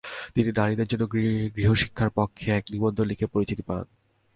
তিনি নারীদের জন্য গৃহশিক্ষার পক্ষে এক নিবন্ধ লিখে পরিচিতি পান।